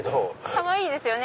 かわいいですよね！